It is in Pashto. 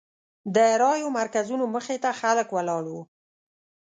د رایو مرکزونو مخې ته خلک ولاړ وو.